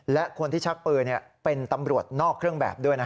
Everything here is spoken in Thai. และคนที่ชักปืนเป็นตำรวจนอกเครื่องแบบด้วย